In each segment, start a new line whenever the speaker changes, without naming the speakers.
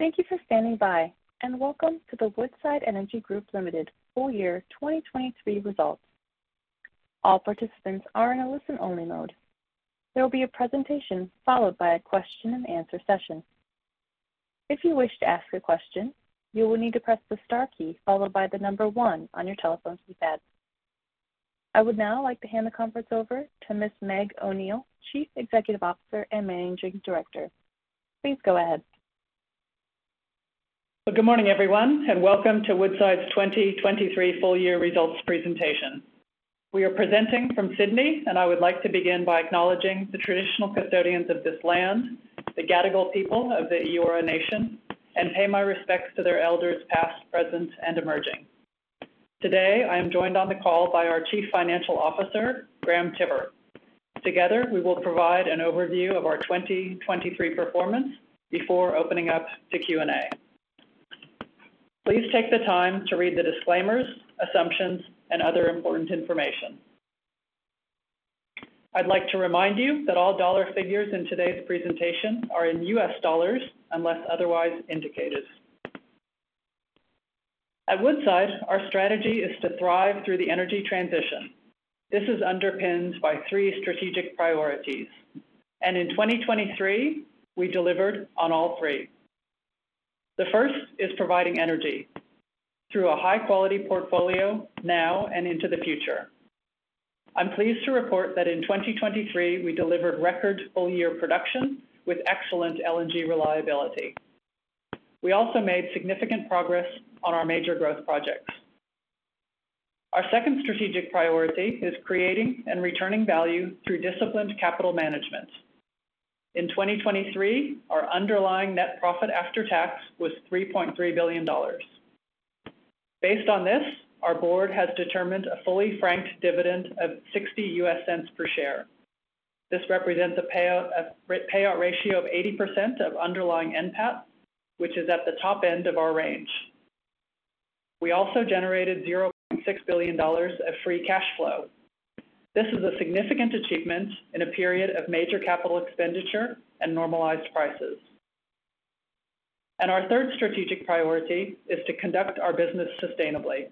Thank you for standing by, and welcome to the Woodside Energy Group Limited full-year 2023 results. All participants are in a listen-only mode. There will be a presentation followed by a question-and-answer session. If you wish to ask a question, you will need to press the star key followed by the number one on your telephone keypad. I would now like to hand the conference over to Ms. Meg O'Neill, Chief Executive Officer and Managing Director. Please go ahead.
Good morning, everyone, and welcome to Woodside's 2023 full-year results presentation. We are presenting from Sydney, and I would like to begin by acknowledging the traditional custodians of this land, the Gadigal people of the Eora Nation, and pay my respects to their elders past, present, and emerging. Today, I am joined on the call by our Chief Financial Officer, Graham Tiver. Together, we will provide an overview of our 2023 performance before opening up to Q&A. Please take the time to read the disclaimers, assumptions, and other important information. I'd like to remind you that all dollar figures in today's presentation are in US dollars unless otherwise indicated. At Woodside, our strategy is to thrive through the energy transition. This is underpinned by three strategic priorities, and in 2023, we delivered on all three. The first is providing energy through a high-quality portfolio now and into the future. I'm pleased to report that in 2023, we delivered record full-year production with excellent LNG reliability. We also made significant progress on our major growth projects. Our second strategic priority is creating and returning value through disciplined capital management. In 2023, our underlying net profit after tax was $3.3 billion. Based on this, our board has determined a fully franked dividend of $0.60 per share. This represents a payout ratio of 80% of underlying NPAT, which is at the top end of our range. We also generated $0.6 billion of free cash flow. This is a significant achievement in a period of major capital expenditure and normalized prices. Our third strategic priority is to conduct our business sustainably.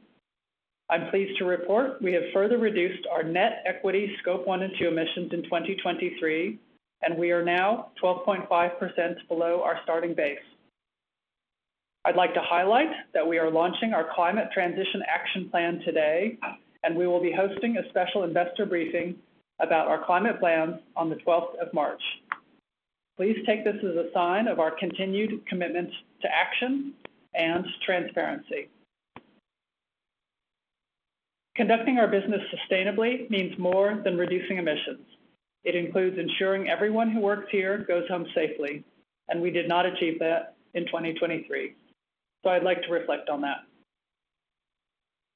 I'm pleased to report we have further reduced our net equity Scope 1 and 2 emissions in 2023, and we are now 12.5% below our starting base. I'd like to highlight that we are launching our Climate Transition Action Plan today, and we will be hosting a special investor briefing about our climate plans on the 12th of March. Please take this as a sign of our continued commitment to action and transparency. Conducting our business sustainably means more than reducing emissions. It includes ensuring everyone who works here goes home safely, and we did not achieve that in 2023, so I'd like to reflect on that.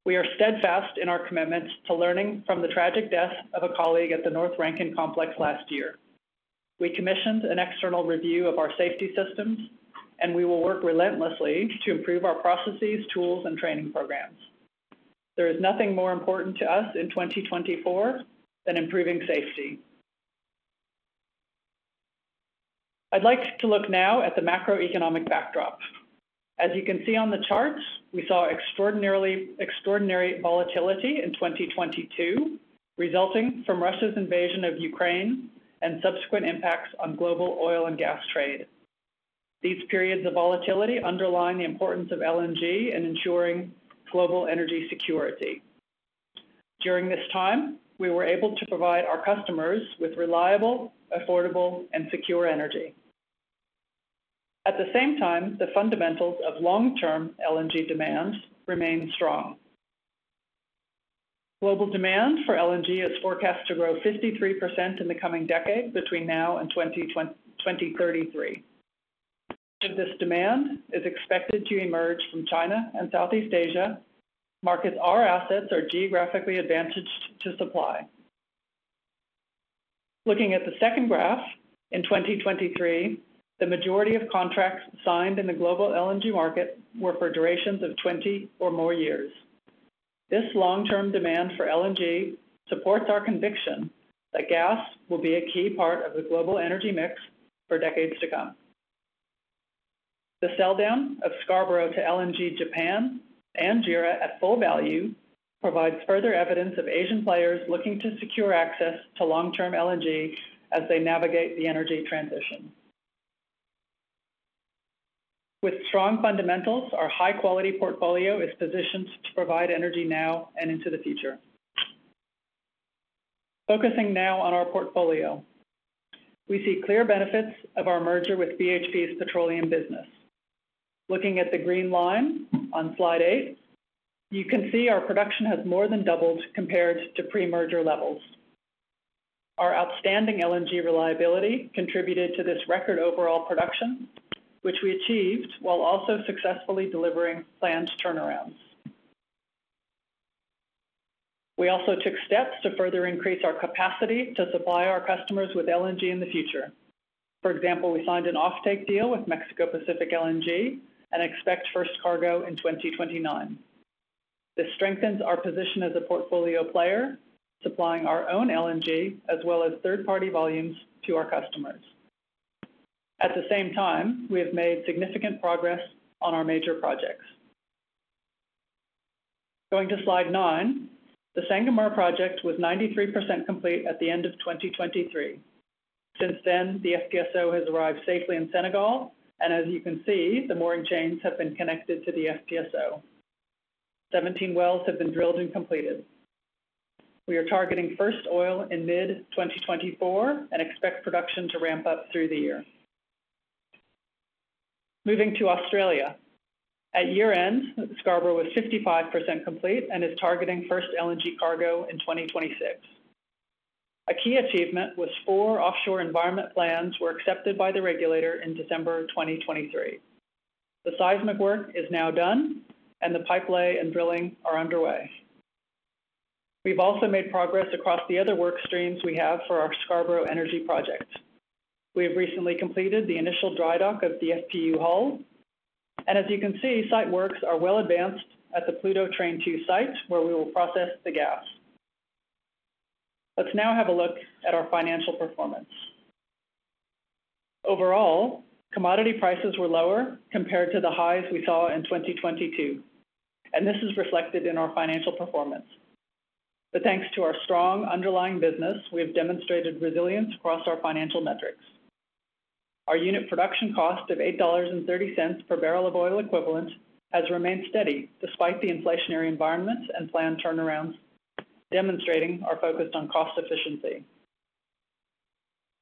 We are steadfast in our commitment to learning from the tragic death of a colleague at the North Rankin Complex last year. We commissioned an external review of our safety systems, and we will work relentlessly to improve our processes, tools, and training programs. There is nothing more important to us in 2024 than improving safety. I'd like to look now at the macroeconomic backdrop. As you can see on the chart, we saw extraordinary volatility in 2022 resulting from Russia's invasion of Ukraine and subsequent impacts on global oil and gas trade. These periods of volatility underline the importance of LNG in ensuring global energy security. During this time, we were able to provide our customers with reliable, affordable, and secure energy. At the same time, the fundamentals of long-term LNG demand remain strong. Global demand for LNG is forecast to grow 53% in the coming decade between now and 2033. Much of this demand is expected to emerge from China and Southeast Asia. Markets and assets are geographically advantaged to supply. Looking at the second graph, in 2023, the majority of contracts signed in the global LNG market were for durations of 20 or more years. This long-term demand for LNG supports our conviction that gas will be a key part of the global energy mix for decades to come. The sell-down of Scarborough to LNG Japan and JERA at full value provides further evidence of Asian players looking to secure access to long-term LNG as they navigate the energy transition. With strong fundamentals, our high-quality portfolio is positioned to provide energy now and into the future. Focusing now on our portfolio, we see clear benefits of our merger with BHP's petroleum business. Looking at the green line on slide 8, you can see our production has more than doubled compared to pre-merger levels. Our outstanding LNG reliability contributed to this record overall production, which we achieved while also successfully delivering planned turnarounds. We also took steps to further increase our capacity to supply our customers with LNG in the future. For example, we signed an offtake deal with Mexico Pacific LNG and expect first cargo in 2029. This strengthens our position as a portfolio player, supplying our own LNG as well as third-party volumes to our customers. At the same time, we have made significant progress on our major projects. Going to slide 9, the Sangomar project was 93% complete at the end of 2023. Since then, the FPSO has arrived safely in Senegal, and as you can see, the mooring chains have been connected to the FPSO. 17 wells have been drilled and completed. We are targeting first oil in mid-2024 and expect production to ramp up through the year. Moving to Australia. At year-end, Scarborough was 55% complete and is targeting first LNG cargo in 2026. A key achievement was four offshore environment plans were accepted by the regulator in December 2023. The seismic work is now done, and the pipelay and drilling are underway. We've also made progress across the other work streams we have for our Scarborough Energy Project. We have recently completed the initial dry dock of the FPU hull. As you can see, site works are well advanced at the Pluto Train 2 site where we will process the gas. Let's now have a look at our financial performance. Overall, commodity prices were lower compared to the highs we saw in 2022, and this is reflected in our financial performance. But thanks to our strong underlying business, we have demonstrated resilience across our financial metrics. Our unit production cost of $8.30 per barrel of oil equivalent has remained steady despite the inflationary environment and planned turnarounds, demonstrating our focus on cost efficiency.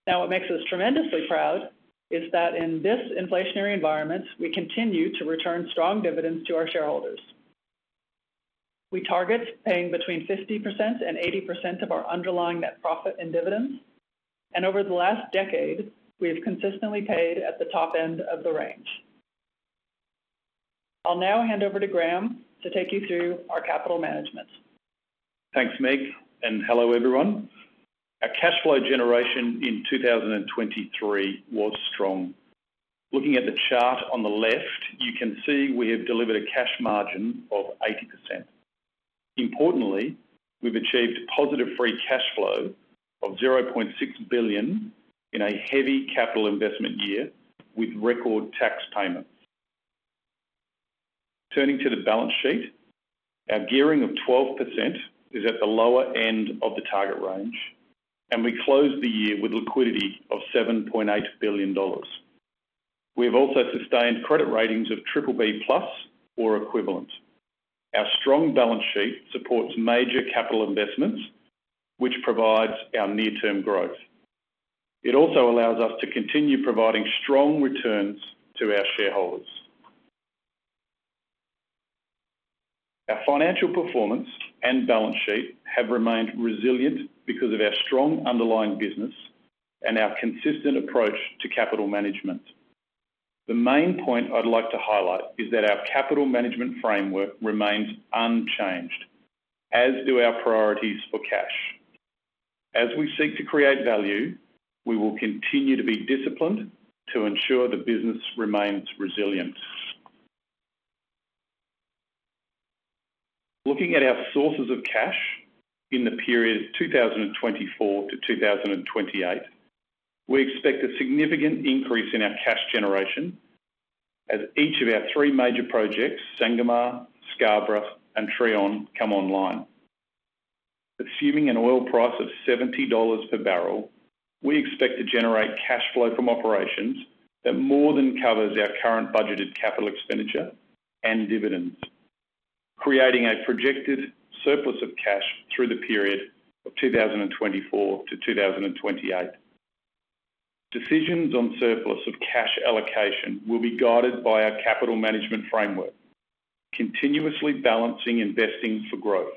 Now, what makes us tremendously proud is that in this inflationary environment, we continue to return strong dividends to our shareholders. We target paying between 50%-80% of our underlying net profit in dividends. Over the last decade, we have consistently paid at the top end of the range. I'll now hand over to Graham to take you through our capital management.
Thanks, Meg, and hello everyone. Our cash flow generation in 2023 was strong. Looking at the chart on the left, you can see we have delivered a cash margin of 80%. Importantly, we've achieved positive free cash flow of $0.6 billion in a heavy capital investment year with record tax payments. Turning to the balance sheet, our gearing of 12% is at the lower end of the target range, and we closed the year with liquidity of $7.8 billion. We have also sustained credit ratings of BBB+ or equivalent. Our strong balance sheet supports major capital investments, which provides our near-term growth. It also allows us to continue providing strong returns to our shareholders. Our financial performance and balance sheet have remained resilient because of our strong underlying business and our consistent approach to capital management. The main point I'd like to highlight is that our capital management framework remains unchanged, as do our priorities for cash. As we seek to create value, we will continue to be disciplined to ensure the business remains resilient. Looking at our sources of cash in the period 2024-2028, we expect a significant increase in our cash generation as each of our three major projects, Sangomar, Scarborough, and Trion, come online. Assuming an oil price of $70 per barrel, we expect to generate cash flow from operations that more than covers our current budgeted capital expenditure and dividends, creating a projected surplus of cash through the period of 2024-2028. Decisions on surplus of cash allocation will be guided by our capital management framework, continuously balancing investing for growth,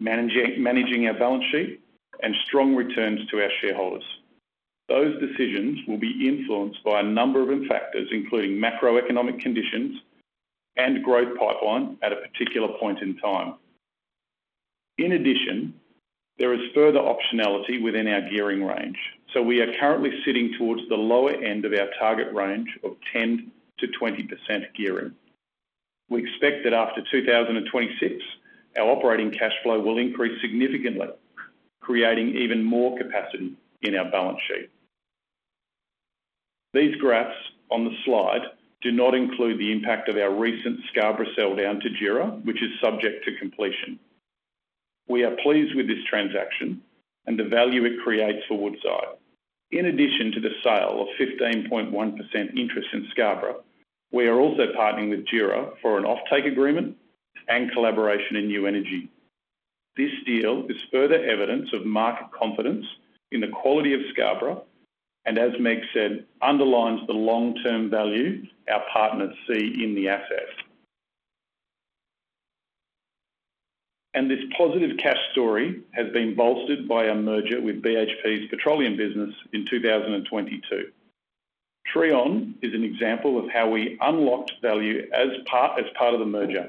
managing our balance sheet, and strong returns to our shareholders. Those decisions will be influenced by a number of factors, including macroeconomic conditions and growth pipeline at a particular point in time. In addition, there is further optionality within our gearing range, so we are currently sitting towards the lower end of our target range of 10%-20% gearing. We expect that after 2026, our operating cash flow will increase significantly, creating even more capacity in our balance sheet. These graphs on the slide do not include the impact of our recent Scarborough sell-down to JERA, which is subject to completion. We are pleased with this transaction and the value it creates for Woodside. In addition to the sale of 15.1% interest in Scarborough, we are also partnering with JERA for an offtake agreement and collaboration in new energy. This deal is further evidence of market confidence in the quality of Scarborough and, as Meg said, underlines the long-term value our partners see in the asset. This positive cash story has been bolstered by our merger with BHP's petroleum business in 2022. Trion is an example of how we unlocked value as part of the merger.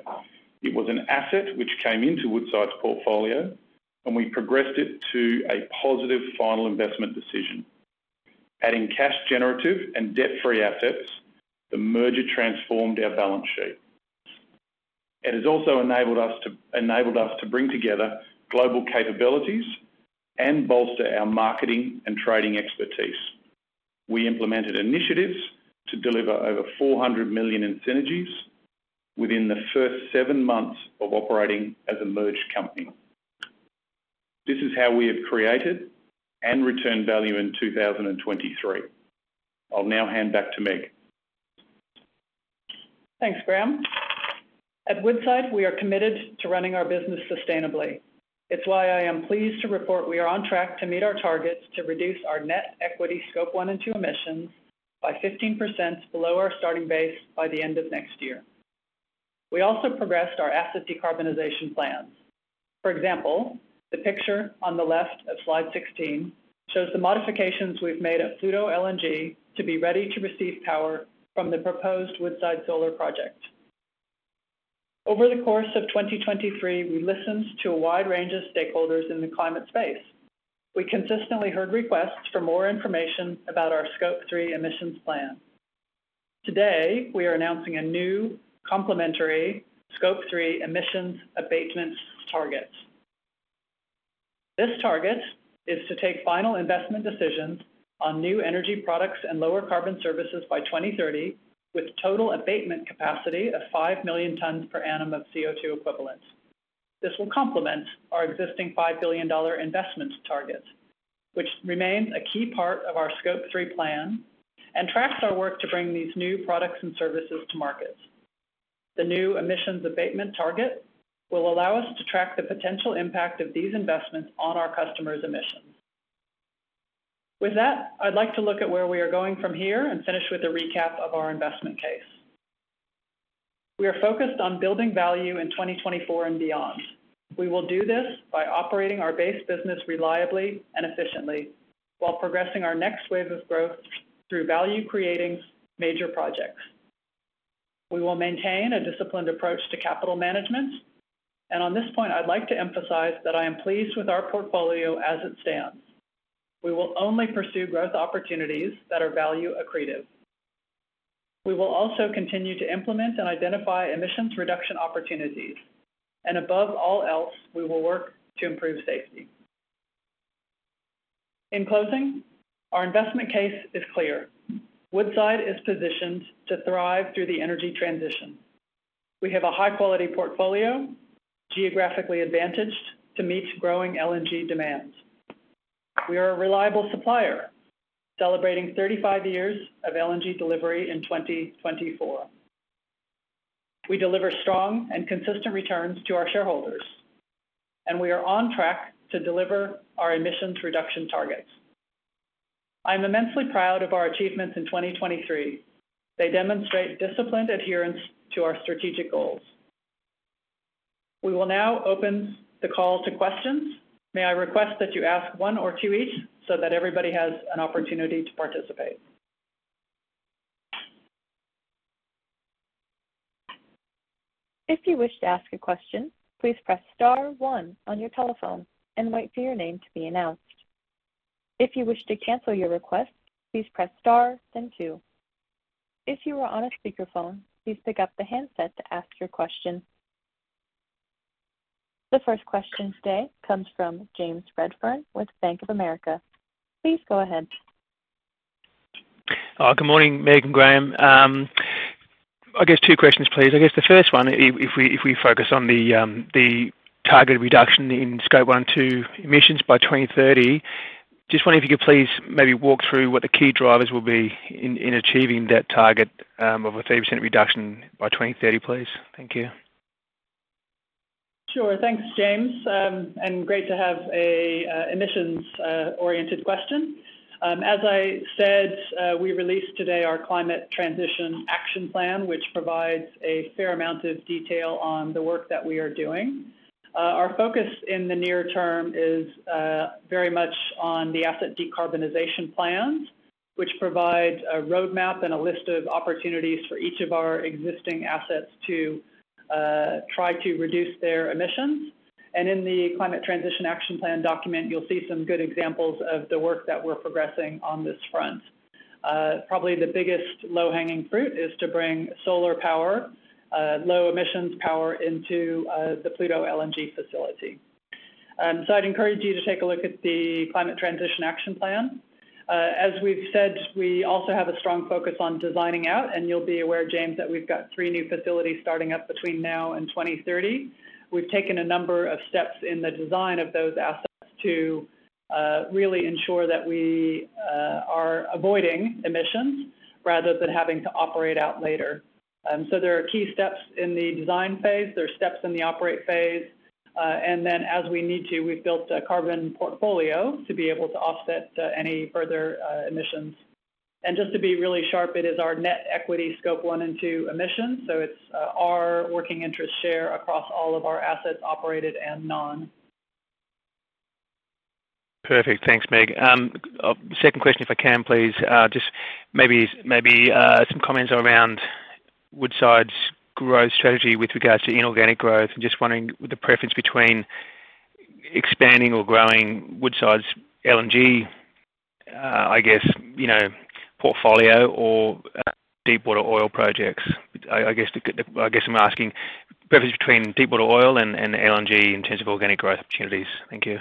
It was an asset which came into Woodside's portfolio, and we progressed it to a positive final investment decision. Adding cash-generative and debt-free assets, the merger transformed our balance sheet. It has also enabled us to bring together global capabilities and bolster our marketing and trading expertise. We implemented initiatives to deliver over $400 million in synergies within the first seven months of operating as a merged company. This is how we have created and returned value in 2023. I'll now hand back to Meg.
Thanks, Graham. At Woodside, we are committed to running our business sustainably. It's why I am pleased to report we are on track to meet our targets to reduce our net equity Scope 1 and 2 Emissions by 15% below our starting base by the end of next year. We also progressed our asset decarbonization plans. For example, the picture on the left of slide 16 shows the modifications we've made at Pluto LNG to be ready to receive power from the proposed Woodside Solar Project. Over the course of 2023, we listened to a wide range of stakeholders in the climate space. We consistently heard requests for more information about our Scope 3 Emissions plan. Today, we are announcing a new complementary Scope 3 Emissions abatements target. This target is to take final investment decisions on new energy products and lower carbon services by 2030 with total abatement capacity of 5 million tons per annum of CO2 equivalent. This will complement our existing $5 billion investment target, which remains a key part of our Scope 3 plan and tracks our work to bring these new products and services to market. The new emissions abatement target will allow us to track the potential impact of these investments on our customers' emissions. With that, I'd like to look at where we are going from here and finish with a recap of our investment case. We are focused on building value in 2024 and beyond. We will do this by operating our base business reliably and efficiently while progressing our next wave of growth through value-creating major projects. We will maintain a disciplined approach to capital management. On this point, I'd like to emphasize that I am pleased with our portfolio as it stands. We will only pursue growth opportunities that are value-accretive. We will also continue to implement and identify emissions reduction opportunities. Above all else, we will work to improve safety. In closing, our investment case is clear. Woodside is positioned to thrive through the energy transition. We have a high-quality portfolio, geographically advantaged to meet growing LNG demands. We are a reliable supplier, celebrating 35 years of LNG delivery in 2024. We deliver strong and consistent returns to our shareholders. We are on track to deliver our emissions reduction targets. I am immensely proud of our achievements in 2023. They demonstrate disciplined adherence to our strategic goals. We will now open the call to questions. May I request that you ask one or two each so that everybody has an opportunity to participate?
If you wish to ask a question, please press star one on your telephone and wait for your name to be announced. If you wish to cancel your request, please press star, then two. If you are on a speakerphone, please pick up the handset to ask your question. The first question today comes from James Redfern with Bank of America. Please go ahead.
Good morning, Meg and Graham. I guess 2 questions, please. I guess the first one, if we focus on the target reduction in Scope 1 and 2 emissions by 2030, just wondering if you could please maybe walk through what the key drivers will be in achieving that target of a 30% reduction by 2030, please. Thank you.
Sure. Thanks, James. Great to have an emissions-oriented question. As I said, we released today our Climate Transition Action Plan, which provides a fair amount of detail on the work that we are doing. Our focus in the near term is very much on the asset decarbonization plans, which provide a roadmap and a list of opportunities for each of our existing assets to try to reduce their emissions. In the Climate Transition Action Plan document, you'll see some good examples of the work that we're progressing on this front. Probably the biggest low-hanging fruit is to bring solar power, low-emissions power, into the Pluto LNG facility. I'd encourage you to take a look at the Climate Transition Action Plan. As we've said, we also have a strong focus on designing out, and you'll be aware, James, that we've got three new facilities starting up between now and 2030. We've taken a number of steps in the design of those assets to really ensure that we are avoiding emissions rather than having to operate out later. So there are key steps in the design phase. There are steps in the operate phase. And then as we need to, we've built a carbon portfolio to be able to offset any further emissions. And just to be really sharp, it is our net equity Scope 1 and Scope 2 emissions. So it's our working interest share across all of our assets, operated and non.
Perfect. Thanks, Meg. Second question, if I can, please. Just maybe some comments around Woodside's growth strategy with regards to inorganic growth and just wondering the preference between expanding or growing Woodside's LNG, I guess, portfolio or deepwater oil projects. I guess I'm asking preference between deepwater oil and LNG in terms of organic growth opportunities. Thank you.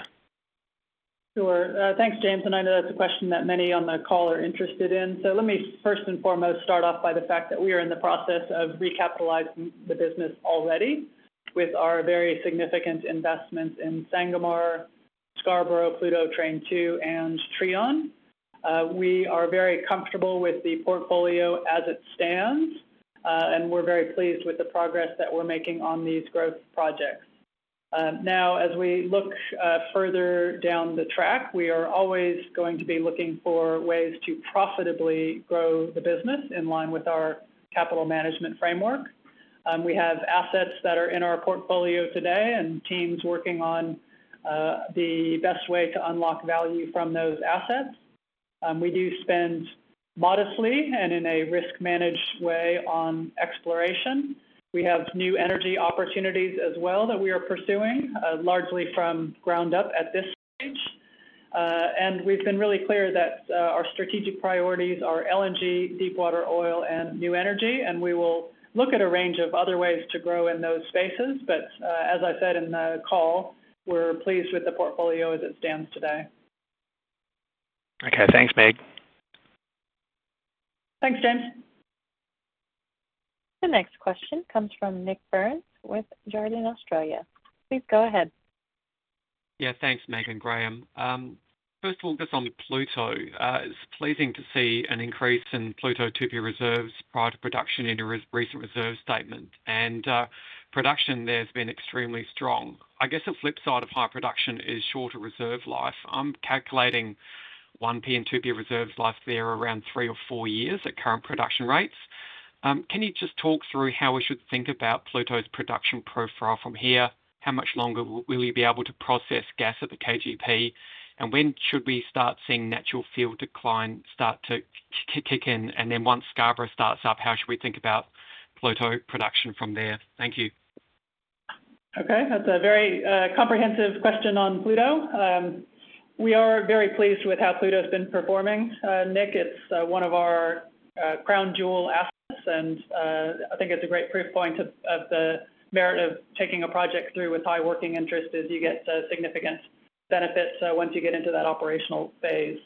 Sure. Thanks, James. And I know that's a question that many on the call are interested in. So let me first and foremost start off by the fact that we are in the process of recapitalising the business already with our very significant investments in Sangomar, Scarborough, Pluto Train 2, and Trion. We are very comfortable with the portfolio as it stands, and we're very pleased with the progress that we're making on these growth projects. Now, as we look further down the track, we are always going to be looking for ways to profitably grow the business in line with our capital management framework. We have assets that are in our portfolio today and teams working on the best way to unlock value from those assets. We do spend modestly and in a risk-managed way on exploration. We have new energy opportunities as well that we are pursuing, largely from ground up at this stage. We've been really clear that our strategic priorities are LNG, deepwater oil, and new energy. We will look at a range of other ways to grow in those spaces. But as I said in the call, we're pleased with the portfolio as it stands today.
Okay. Thanks, Meg.
Thanks, James.
The next question comes from Nik Burns with Jarden Australia. Please go ahead.
Yeah. Thanks, Meg and Graham. First of all, just on Pluto, it's pleasing to see an increase in Pluto 2P reserves prior to production in a recent reserve statement. And production there's been extremely strong. I guess the flip side of high production is shorter reserve life. I'm calculating 1P and 2P reserves life there around 3 or 4 years at current production rates. Can you just talk through how we should think about Pluto's production profile from here? How much longer will you be able to process gas at the KGP? And when should we start seeing natural gas decline start to kick in? And then once Scarborough starts up, how should we think about Pluto production from there? Thank you.
Okay. That's a very comprehensive question on Pluto. We are very pleased with how Pluto's been performing. Nik, it's one of our crown jewel assets. And I think it's a great proof point of the merit of taking a project through with high working interest as you get significant benefits once you get into that operational phase.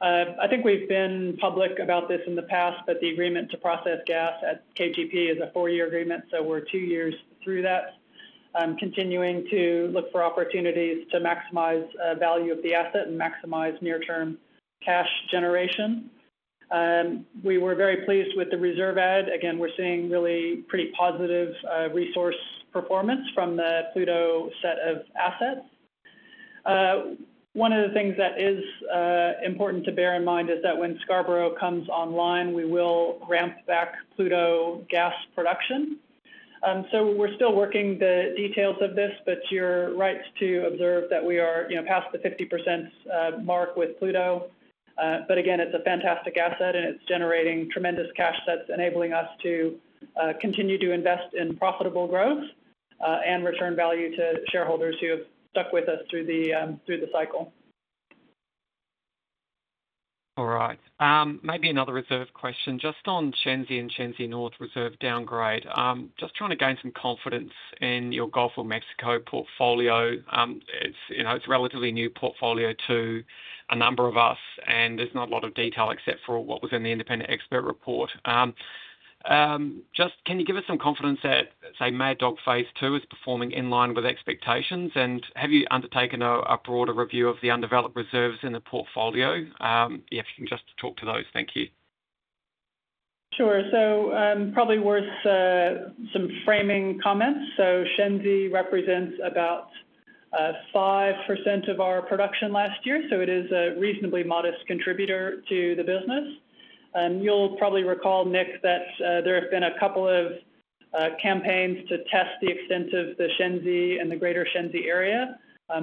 I think we've been public about this in the past, but the agreement to process gas at KGP is a 4-year agreement. So we're 2 years through that, continuing to look for opportunities to maximize value of the asset and maximize near-term cash generation. We were very pleased with the reserve add. Again, we're seeing really pretty positive resource performance from the Pluto set of assets. One of the things that is important to bear in mind is that when Scarborough comes online, we will ramp back Pluto gas production. So we're still working the details of this, but you're right to observe that we are past the 50% mark with Pluto. But again, it's a fantastic asset, and it's generating tremendous cash flows, enabling us to continue to invest in profitable growth and return value to shareholders who have stuck with us through the cycle.
All right. Maybe another reserve question just on Shenzi and Shenzi North reserve downgrade. Just trying to gain some confidence in your Gulf of Mexico portfolio. It's a relatively new portfolio to a number of us, and there's not a lot of detail except for what was in the independent expert report. Just can you give us some confidence that, say, Mad Dog Phase 2 is performing in line with expectations? And have you undertaken a broader review of the undeveloped reserves in the portfolio? If you can just talk to those, thank you.
Sure. So probably worth some framing comments. So Shenzi represents about 5% of our production last year. So it is a reasonably modest contributor to the business. You'll probably recall, Nik, that there have been a couple of campaigns to test the extent of the Shenzi and the greater Shenzi area,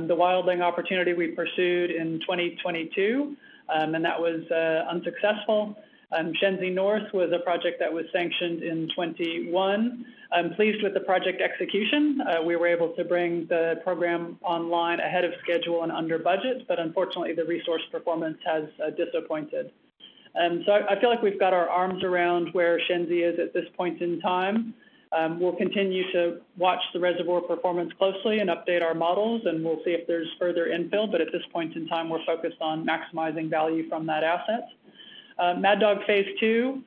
the wildcat opportunity we pursued in 2022, and that was unsuccessful. Shenzi North was a project that was sanctioned in 2021. I'm pleased with the project execution. We were able to bring the program online ahead of schedule and under budget, but unfortunately, the resource performance has disappointed. So I feel like we've got our arms around where Shenzi is at this point in time. We'll continue to watch the reservoir performance closely and update our models, and we'll see if there's further infill. But at this point in time, we're focused on maximizing value from that asset. Mad Dog Phase 2,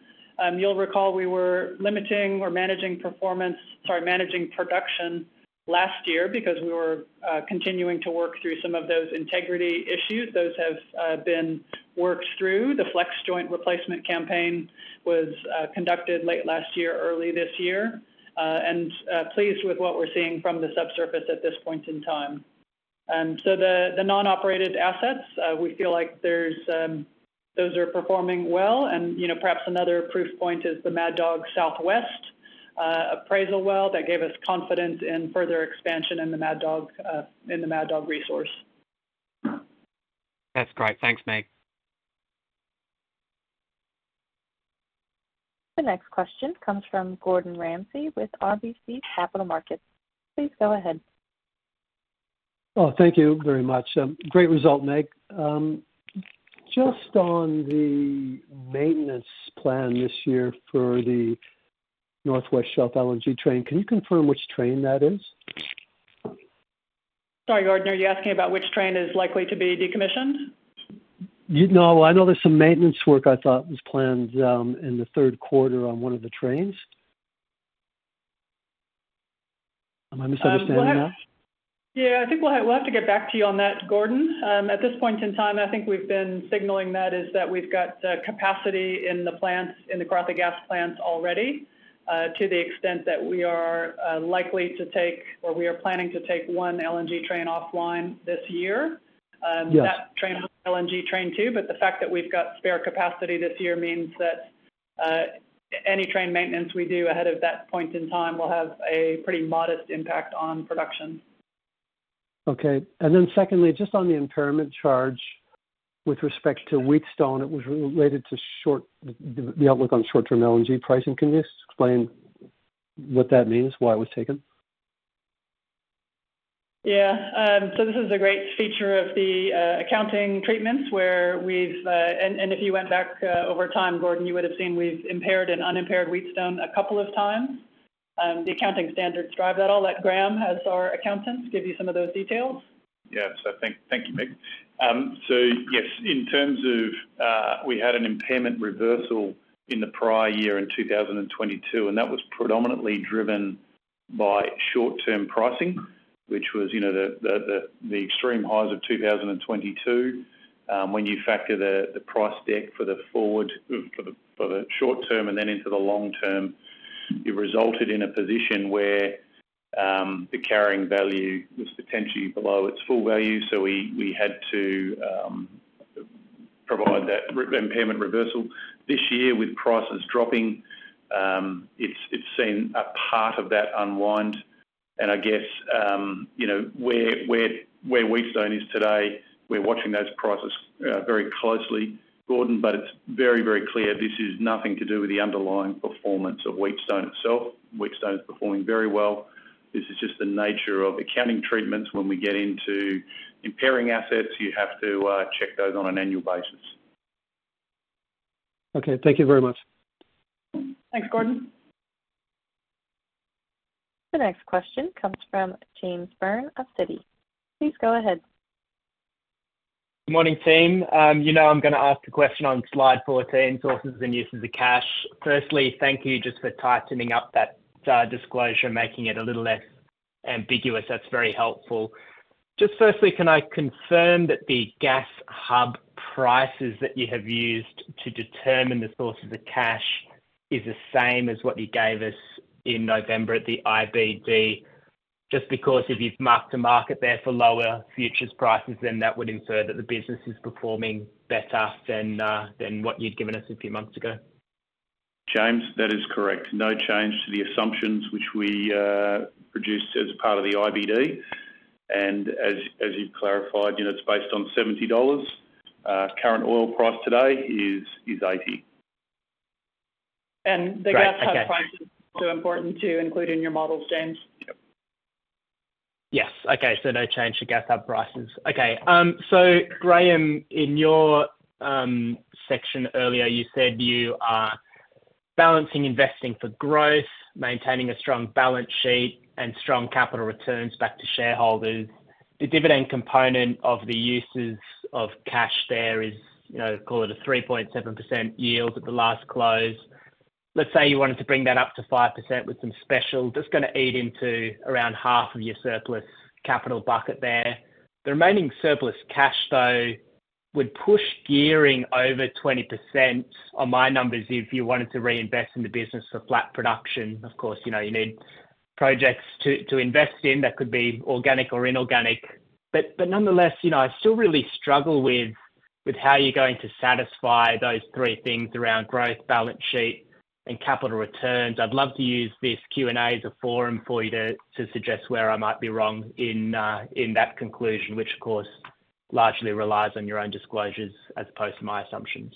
you'll recall we were limiting or managing performance, sorry, managing production last year because we were continuing to work through some of those integrity issues. Those have been worked through. The flex joint replacement campaign was conducted late last year, early this year. And pleased with what we're seeing from the subsurface at this point in time. So the non-operated assets, we feel like those are performing well. And perhaps another proof point is the Mad Dog Southwest appraisal well that gave us confidence in further expansion in the Mad Dog resource. That's great. Thanks, Meg.
The next question comes from Gordon Ramsay with RBC Capital Markets. Please go ahead.
Oh, thank you very much. Great result, Meg. Just on the maintenance plan this year for the North West Shelf LNG train, can you confirm which train that is?
Sorry, Gordon. Are you asking about which train is likely to be decommissioned?
No, I know there's some maintenance work I thought was planned in the third quarter on one of the trains. Am I misunderstanding that?
Yeah, I think we'll have to get back to you on that, Gordon. At this point in time, I think we've been signaling that is that we've got capacity in the plants, in the Karratha Gas Plants, already to the extent that we are likely to take, or we are planning to take, one LNG train offline this year. That train will be LNG train 2, but the fact that we've got spare capacity this year means that any train maintenance we do ahead of that point in time will have a pretty modest impact on production.
Okay. Secondly, just on the impairment charge with respect to Wheatstone, it was related to the outlook on short-term LNG pricing. Can you explain what that means, why it was taken?
Yeah. So this is a great feature of the accounting treatments where we've—and if you went back over time, Gordon, you would have seen we've impaired and unimpaired Wheatstone a couple of times. The accounting standards drive that all. Let Graham, as our accountant, give you some of those details.
Yes, I think. Thank you, Meg. So yes, in terms of we had an impairment reversal in the prior year, in 2022, and that was predominantly driven by short-term pricing, which was the extreme highs of 2022. When you factor the price deck for the short term and then into the long term, it resulted in a position where the carrying value was potentially below its full value. So we had to provide that impairment reversal. This year, with prices dropping, it's seen a part of that unwind. And I guess where Wheatstone is today, we're watching those prices very closely, Gordon, but it's very, very clear this is nothing to do with the underlying performance of Wheatstone itself. Wheatstone is performing very well. This is just the nature of accounting treatments. When we get into impairing assets, you have to check those on an annual basis.
Okay. Thank you very much.
Thanks, Gordon.
The next question comes from James Byrne of Citi. Please go ahead.
Good morning, team. I'm going to ask a question on slide 14, sources and uses of cash. Firstly, thank you just for tightening up that disclosure, making it a little less ambiguous. That's very helpful. Just firstly, can I confirm that the gas hub prices that you have used to determine the sources of cash are the same as what you gave us in November at the IBD? Just because if you've marked a market there for lower futures prices, then that would infer that the business is performing better than what you'd given us a few months ago.
James, that is correct. No change to the assumptions which we produced as part of the IBD. And as you've clarified, it's based on $70. Current oil price today is $80.
The gas hub prices are important to include in your models, James?
Yes. Okay. So no change to gas hub prices. Okay. So Graham, in your section earlier, you said you are balancing investing for growth, maintaining a strong balance sheet, and strong capital returns back to shareholders. The dividend component of the uses of cash there is, call it a 3.7% yield at the last close. Let's say you wanted to bring that up to 5% with some special. That's going to eat into around half of your surplus capital bucket there. The remaining surplus cash, though, would push gearing over 20% on my numbers if you wanted to reinvest in the business for flat production. Of course, you need projects to invest in that could be organic or inorganic. But nonetheless, I still really struggle with how you're going to satisfy those three things around growth, balance sheet, and capital returns. I'd love to use this Q&A as a forum for you to suggest where I might be wrong in that conclusion, which, of course, largely relies on your own disclosures as opposed to my assumptions.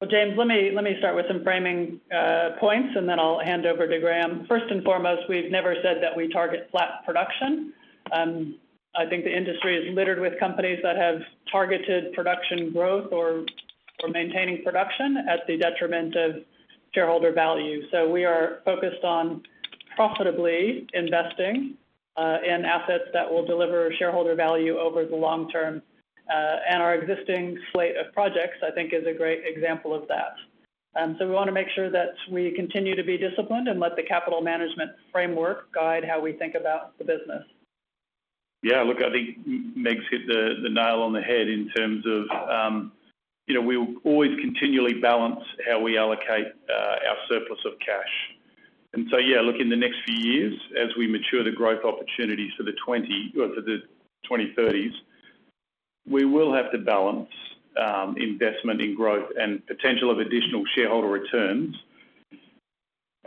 Well, James, let me start with some framing points, and then I'll hand over to Graham. First and foremost, we've never said that we target flat production. I think the industry is littered with companies that have targeted production growth or maintaining production at the detriment of shareholder value. So we are focused on profitably investing in assets that will deliver shareholder value over the long term. And our existing slate of projects, I think, is a great example of that. So we want to make sure that we continue to be disciplined and let the capital management framework guide how we think about the business.
Yeah. Look, I think Meg's hit the nail on the head in terms of we'll always continually balance how we allocate our surplus of cash. So yeah, look, in the next few years, as we mature the growth opportunities for the 2030s, we will have to balance investment in growth and potential of additional shareholder returns.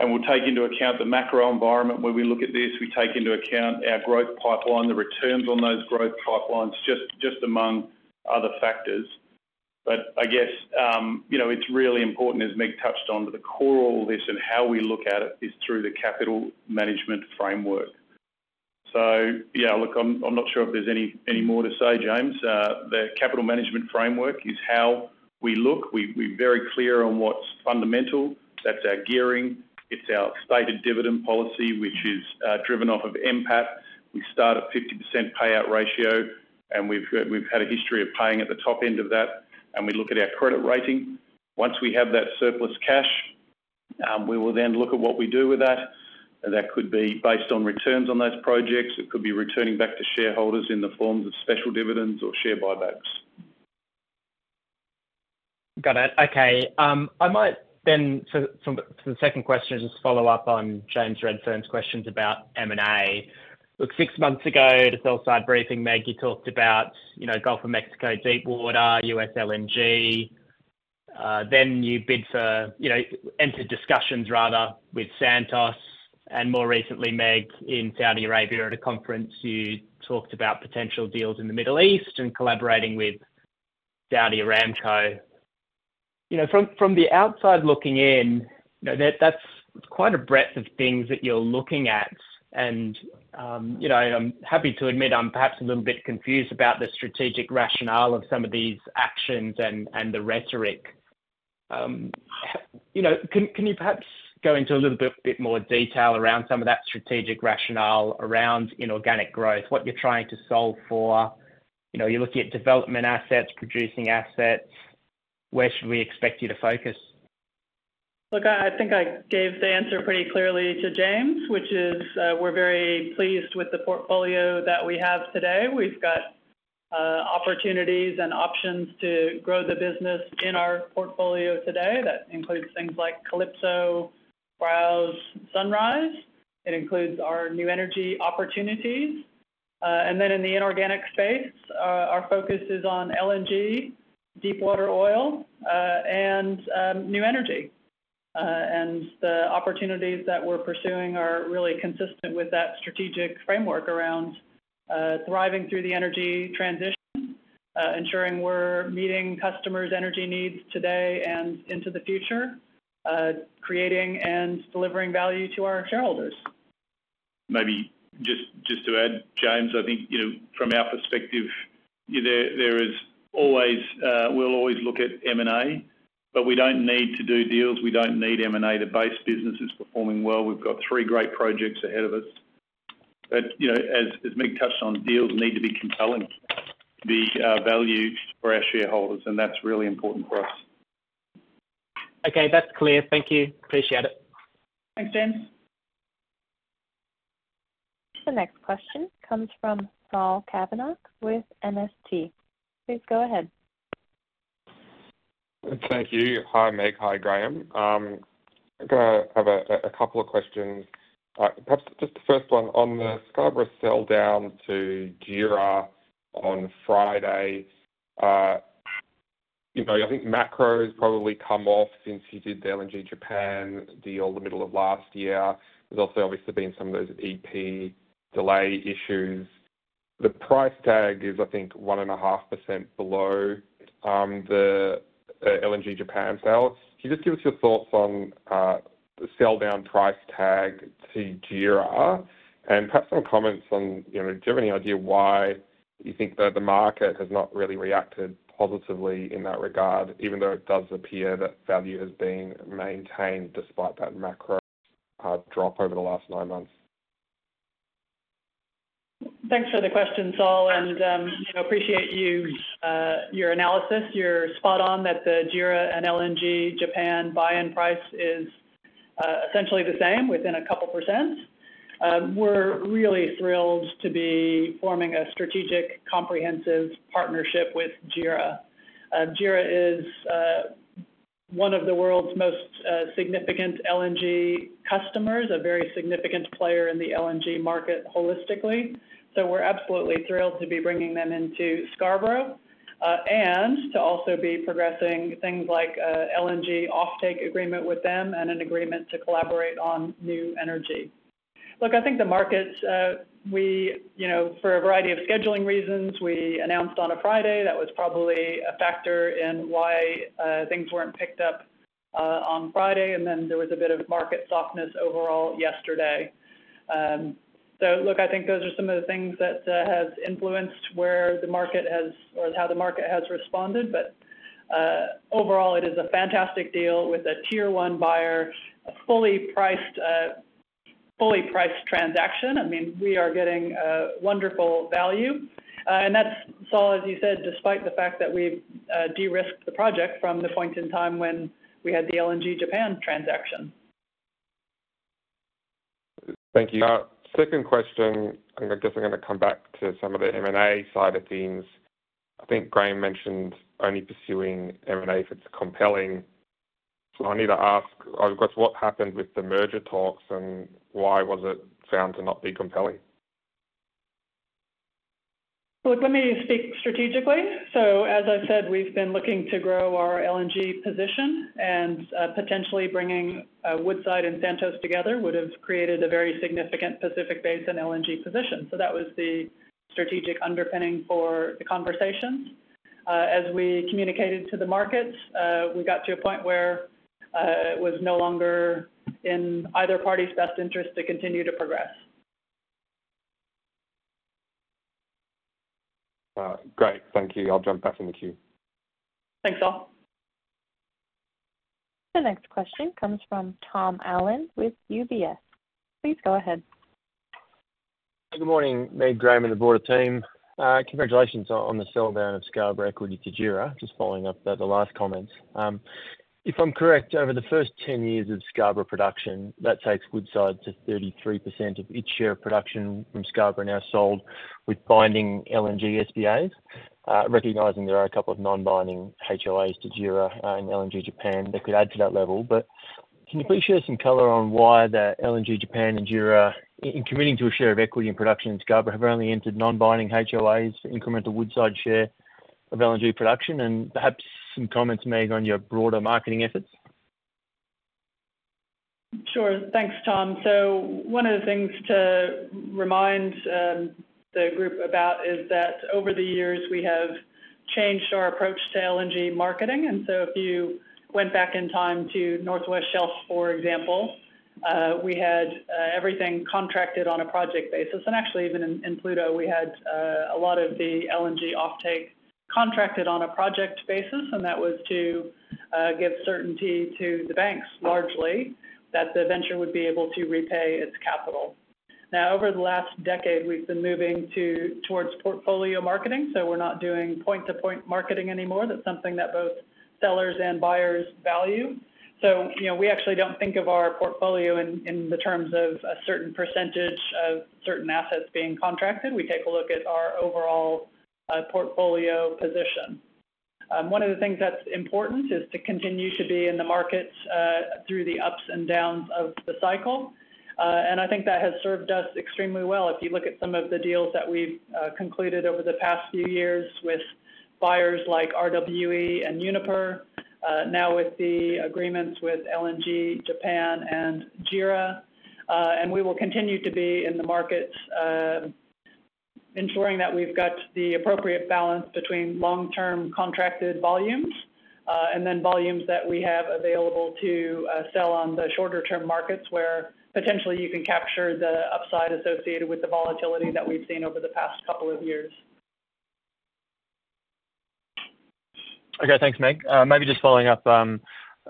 We'll take into account the macro environment where we look at this. We take into account our growth pipeline, the returns on those growth pipelines, just among other factors. But I guess it's really important, as Meg touched on, that the core of all this and how we look at it is through the capital management framework. So yeah, look, I'm not sure if there's any more to say, James. The capital management framework is how we look. We're very clear on what's fundamental. That's our gearing. It's our stated dividend policy, which is driven off of NPAT. We start at 50% payout ratio, and we've had a history of paying at the top end of that. We look at our credit rating. Once we have that surplus cash, we will then look at what we do with that. That could be based on returns on those projects. It could be returning back to shareholders in the forms of special dividends or share buybacks.
Got it. Okay. So the second question is just to follow up on James Redfern's questions about M&A. Look, six months ago, at a sell-side briefing, Meg, you talked about Gulf of Mexico, deepwater, U.S. LNG. Then you entered discussions, rather, with Santos. And more recently, Meg, in Saudi Arabia, at a conference, you talked about potential deals in the Middle East and collaborating with Saudi Aramco. From the outside looking in, that's quite a breadth of things that you're looking at. And I'm happy to admit I'm perhaps a little bit confused about the strategic rationale of some of these actions and the rhetoric. Can you perhaps go into a little bit more detail around some of that strategic rationale around inorganic growth, what you're trying to solve for? You're looking at development assets, producing assets. Where should we expect you to focus?
Look, I think I gave the answer pretty clearly to James, which is we're very pleased with the portfolio that we have today. We've got opportunities and options to grow the business in our portfolio today. That includes things like Calypso, Browse, Sunrise. It includes our new energy opportunities. And then in the inorganic space, our focus is on LNG, deepwater oil, and new energy. And the opportunities that we're pursuing are really consistent with that strategic framework around thriving through the energy transition, ensuring we're meeting customers' energy needs today and into the future, creating and delivering value to our shareholders.
Maybe just to add, James, I think from our perspective, we'll always look at M&A, but we don't need to do deals. We don't need M&A to base businesses performing well. We've got three great projects ahead of us. But as Meg touched on, deals need to be compelling, to be value for our shareholders, and that's really important for us.
Okay. That's clear. Thank you. Appreciate it.
Thanks, James.
The next question comes from Saul Kavonic with MST. Please go ahead.
Thank you. Hi, Meg. Hi, Graham. I'm going to have a couple of questions. Perhaps just the first one. On the Scarborough sell-down to JERA on Friday, I think macro's probably come off since he did the LNG Japan deal the middle of last year. There's also obviously been some of those EP delay issues. The price tag is, I think, 1.5% below the LNG Japan sale. Can you just give us your thoughts on the sell-down price tag to JERA and perhaps some comments on do you have any idea why you think that the market has not really reacted positively in that regard, even though it does appear that value has been maintained despite that macro drop over the last nine months?
Thanks for the question, Saul, and appreciate your analysis. You're spot on that the JERA and LNG Japan buy-in price is essentially the same within a couple of %. We're really thrilled to be forming a strategic, comprehensive partnership with JERA. JERA is one of the world's most significant LNG customers, a very significant player in the LNG market holistically. So we're absolutely thrilled to be bringing them into Scarborough and to also be progressing things like an LNG offtake agreement with them and an agreement to collaborate on new energy. Look, I think the markets for a variety of scheduling reasons, we announced on a Friday. That was probably a factor in why things weren't picked up on Friday. And then there was a bit of market softness overall yesterday. So look, I think those are some of the things that have influenced where the market has or how the market has responded. But overall, it is a fantastic deal with a tier-one buyer, a fully priced transaction. I mean, we are getting wonderful value. And that's, Saul, as you said, despite the fact that we've de-risked the project from the point in time when we had the LNG Japan transaction.
Thank you. Second question, I guess I'm going to come back to some of the M&A side of things. I think Graham mentioned only pursuing M&A if it's compelling. So I need to ask, of course, what happened with the merger talks and why was it found to not be compelling?
Look, let me speak strategically. As I said, we've been looking to grow our LNG position, and potentially bringing Woodside and Santos together would have created a very significant Pacific Basin LNG position. That was the strategic underpinning for the conversations. As we communicated to the markets, we got to a point where it was no longer in either party's best interest to continue to progress.
Great. Thank you. I'll jump back in the queue.
Thanks, Sual.
The next question comes from Tom Allen with UBS. Please go ahead.
Good morning, Meg, Graham, and the board and team. Congratulations on the sell-down of Scarborough equity to JERA, just following up the last comments. If I'm correct, over the first 10 years of Scarborough production, that takes Woodside to 33% of its share of production from Scarborough now sold with binding LNG SPAs, recognizing there are a couple of non-binding HOAs to JERA and LNG Japan that could add to that level. But can you please share some color on why the LNG Japan and JERA, in committing to a share of equity in production in Scarborough, have only entered non-binding HOAs for incremental Woodside share of LNG production? And perhaps some comments, Meg, on your broader marketing efforts?
Sure. Thanks, Tom. So one of the things to remind the group about is that over the years, we have changed our approach to LNG marketing. And so if you went back in time to North West Shelf, for example, we had everything contracted on a project basis. And actually, even in Pluto, we had a lot of the LNG offtake contracted on a project basis. And that was to give certainty to the banks, largely, that the venture would be able to repay its capital. Now, over the last decade, we've been moving towards portfolio marketing. So we're not doing point-to-point marketing anymore. That's something that both sellers and buyers value. So we actually don't think of our portfolio in the terms of a certain percentage of certain assets being contracted. We take a look at our overall portfolio position. One of the things that's important is to continue to be in the markets through the ups and downs of the cycle. I think that has served us extremely well. If you look at some of the deals that we've concluded over the past few years with buyers like RWE and Uniper, now with the agreements with LNG Japan and JERA. We will continue to be in the markets, ensuring that we've got the appropriate balance between long-term contracted volumes and then volumes that we have available to sell on the shorter-term markets where potentially you can capture the upside associated with the volatility that we've seen over the past couple of years.
Okay. Thanks, Meg. Maybe just following up,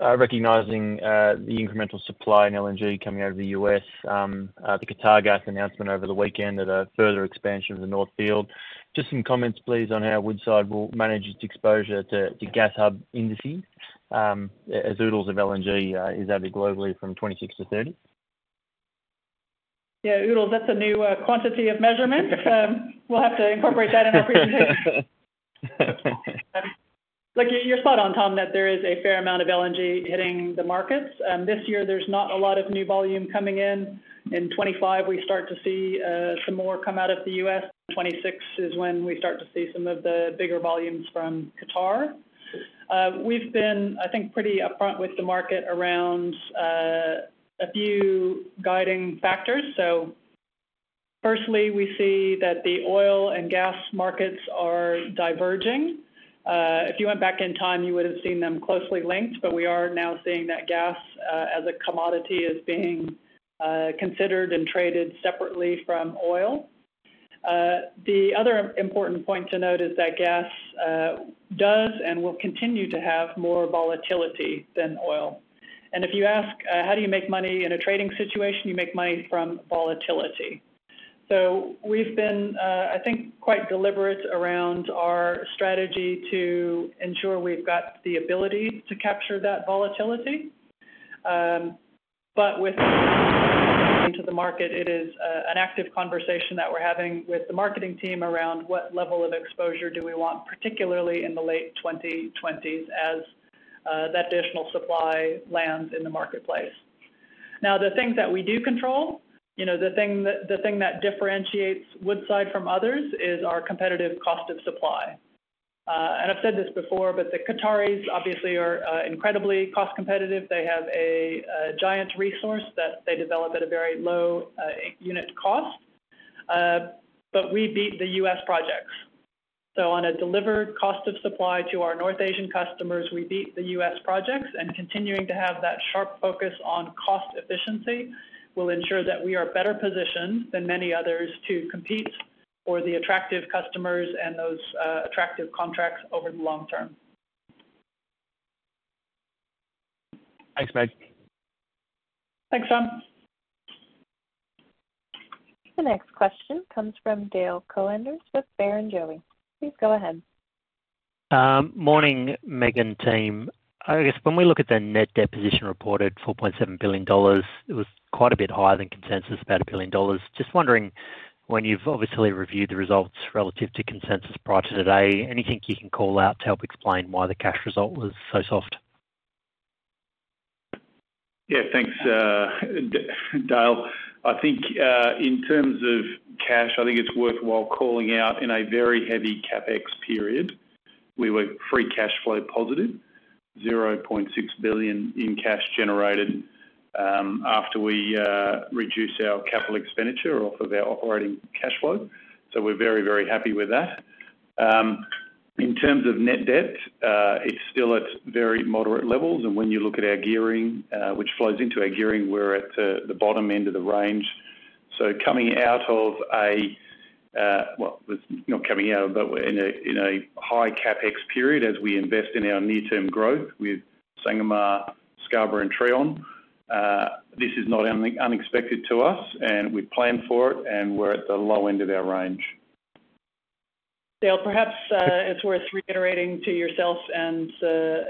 recognizing the incremental supply in LNG coming out of the U.S., the Qatargas announcement over the weekend of a further expansion of the North Field, just some comments, please, on how Woodside will manage its exposure to Gas Hub indices as oodles of LNG is added globally from 2026 to 2030?
Yeah, oodles, that's a new quantity of measurement. We'll have to incorporate that in our presentation. Look, you're spot on, Tom, that there is a fair amount of LNG hitting the markets. This year, there's not a lot of new volume coming in. In 2025, we start to see some more come out of the U.S. 2026 is when we start to see some of the bigger volumes from Qatar. We've been, I think, pretty upfront with the market around a few guiding factors. So firstly, we see that the oil and gas markets are diverging. If you went back in time, you would have seen them closely linked. But we are now seeing that gas as a commodity is being considered and traded separately from oil. The other important point to note is that gas does and will continue to have more volatility than oil. And if you ask, how do you make money in a trading situation? You make money from volatility. So we've been, I think, quite deliberate around our strategy to ensure we've got the ability to capture that volatility. But with the market, it is an active conversation that we're having with the marketing team around what level of exposure do we want, particularly in the late 2020s as that additional supply lands in the marketplace. Now, the things that we do control, the thing that differentiates Woodside from others is our competitive cost of supply. And I've said this before, but the Qataris obviously are incredibly cost-competitive. They have a giant resource that they develop at a very low unit cost. But we beat the U.S. projects. So on a delivered cost of supply to our North Asian customers, we beat the U.S. projects. Continuing to have that sharp focus on cost efficiency will ensure that we are better positioned than many others to compete for the attractive customers and those attractive contracts over the long term.
Thanks, Meg.
Thanks, Tom.
The next question comes from Dale Koenders with Barrenjoey. Please go ahead.
Morning, Meg and team. I guess when we look at the net debt position reported $4.7 billion, it was quite a bit higher than consensus about $1 billion. Just wondering, when you've obviously reviewed the results relative to consensus prior to today, anything you can call out to help explain why the cash result was so soft?
Yeah. Thanks, Dale. I think in terms of cash, I think it's worthwhile calling out in a very heavy CapEx period, we were free cash flow positive, $0.6 billion in cash generated after we reduce our capital expenditure off of our operating cash flow. So we're very, very happy with that. In terms of net debt, it's still at very moderate levels. And when you look at our gearing, which flows into our gearing, we're at the bottom end of the range. So coming out of a well, not coming out of, but we're in a high CapEx period as we invest in our near-term growth with Sangomar, Scarborough, and Trion. This is not unexpected to us. And we planned for it. And we're at the low end of our range.
Dale, perhaps it's worth reiterating to yourself and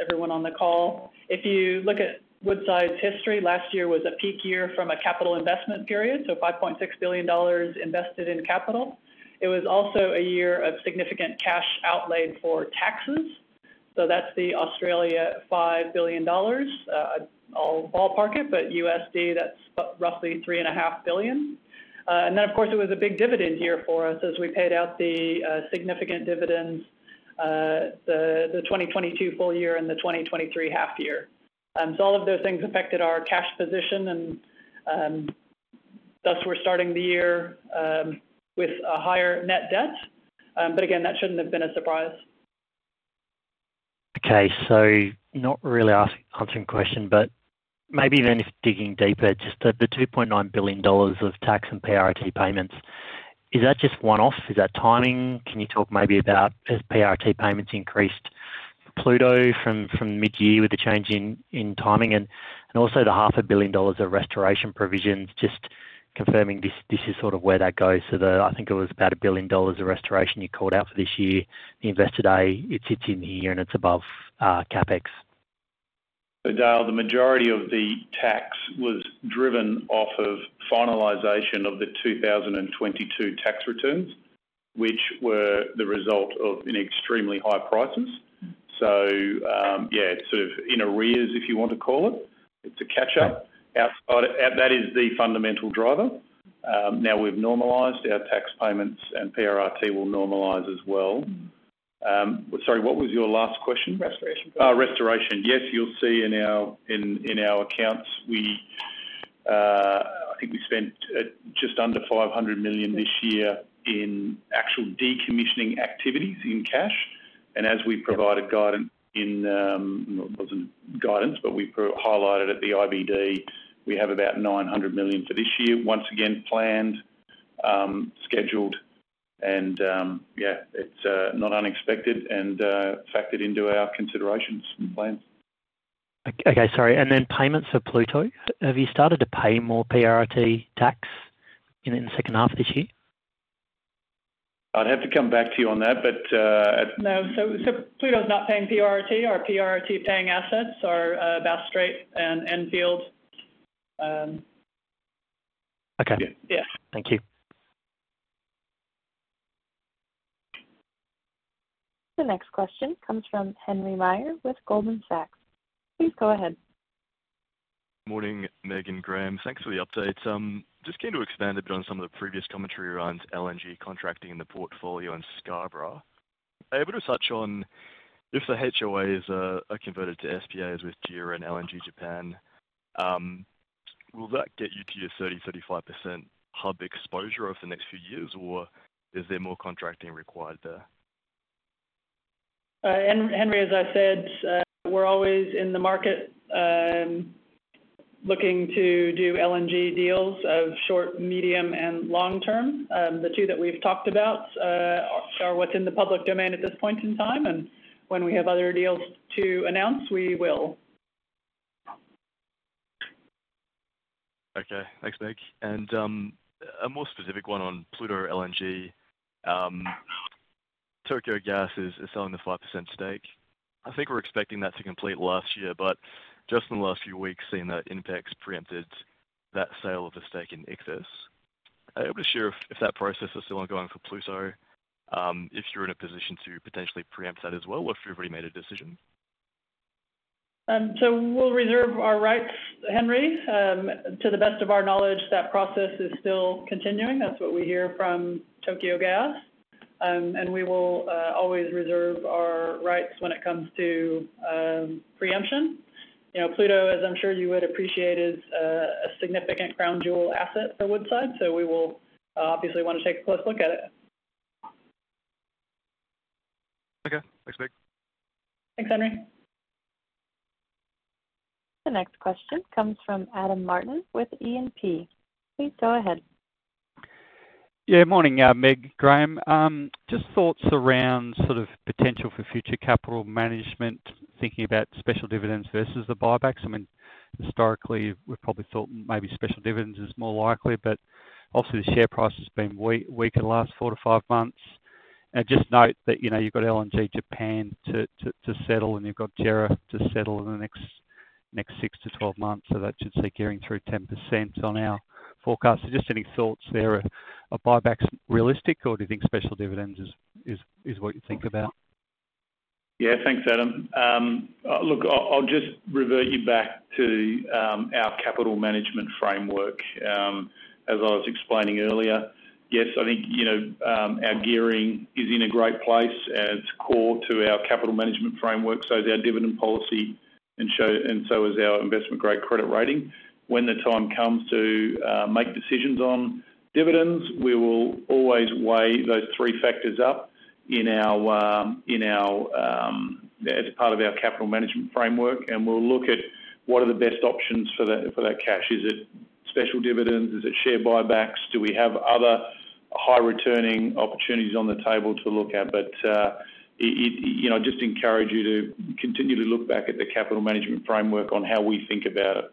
everyone on the call. If you look at Woodside's history, last year was a peak year from a capital investment period, so $5.6 billion invested in capital. It was also a year of significant cash outlaid for taxes. So that's the Australia 5 billion dollars, I'll ballpark it. But USD, that's roughly $3.5 billion. And then, of course, it was a big dividend year for us as we paid out the significant dividends, the 2022 full year and the 2023 half-year. So all of those things affected our cash position. And thus, we're starting the year with a higher net debt. But again, that shouldn't have been a surprise.
Okay. So not really answering the question, but maybe even if digging deeper, just the $2.9 billion of tax and PRT payments, is that just one-off? Is that timing? Can you talk maybe about as PRT payments increased for Pluto from mid-year with the change in timing and also the $500 million of restoration provisions, just confirming this is sort of where that goes? So I think it was about $1 billion of restoration you called out for this year. The investor day, it sits in here, and it's above CapEx.
So Dale, the majority of the tax was driven off of finalization of the 2022 tax returns, which were the result of extremely high prices. So yeah, it's sort of in arrears, if you want to call it. It's a catch-up. That is the fundamental driver. Now, we've normalized. Our tax payments and PRT will normalize as well. Sorry, what was your last question?
Restoration?
Restoration. Yes, you'll see in our accounts, I think we spent just under $500 million this year in actual decommissioning activities in cash. And as we provided guidance in it wasn't guidance, but we highlighted at the IBD, we have about $900 million for this year, once again, planned, scheduled. And yeah, it's not unexpected and factored into our considerations and plans.
Okay. Sorry. And then payments of Pluto, have you started to pay more PRT tax in the second half of this year?
I'd have to come back to you on that, but.
No. So Pluto's not paying PRT. Are PRT paying assets or Bass Strait and Enfield?
Okay. Yeah. Thank you.
The next question comes from Henry Meyer with Goldman Sachs. Please go ahead.
Morning, Meg and Graham. Thanks for the update. Just keen to expand a bit on some of the previous commentary around LNG contracting in the portfolio in Scarborough. Able to touch on if the HOAs are converted to SPAs with JERA and LNG Japan, will that get you to your 30%-35% hub exposure over the next few years, or is there more contracting required there?
Henry, as I said, we're always in the market looking to do LNG deals of short, medium, and long term. The two that we've talked about are what's in the public domain at this point in time. When we have other deals to announce, we will.
Okay. Thanks, Meg. And a more specific one on Pluto LNG, Tokyo Gas is selling the 5% stake. I think we're expecting that to complete last year. But just in the last few weeks, seeing that Inpex preempted that sale of a stake in Ichthys, able to share if that process is still ongoing for Pluto, if you're in a position to potentially preempt that as well or if you've already made a decision?
We'll reserve our rights, Henry. To the best of our knowledge, that process is still continuing. That's what we hear from Tokyo Gas. We will always reserve our rights when it comes to preemption. Pluto, as I'm sure you would appreciate, is a significant crown jewel asset for Woodside. We will obviously want to take a close look at it.
Okay. Thanks, Meg.
Thanks, Henry.
The next question comes from Adam Martin with E&P. Please go ahead.
Yeah. Morning, Meg, Graham. Just thoughts around sort of potential for future capital management, thinking about special dividends versus the buybacks. I mean, historically, we've probably thought maybe special dividends is more likely. But obviously, the share price has been weak the last 4-5 months. And just note that you've got LNG Japan to settle, and you've got JERA to settle in the next 6-12 months. So that should see gearing through 10% on our forecast. So just any thoughts there? Are buybacks realistic, or do you think special dividends is what you think about?
Yeah. Thanks, Adam. Look, I'll just revert you back to our capital management framework. As I was explaining earlier, yes, I think our gearing is in a great place. And it's core to our capital management framework. So is our dividend policy, and so is our investment-grade credit rating. When the time comes to make decisions on dividends, we will always weigh those three factors up as part of our capital management framework. And we'll look at what are the best options for that cash? Is it special dividends? Is it share buybacks? Do we have other high-returning opportunities on the table to look at? But I just encourage you to continually look back at the capital management framework on how we think about it.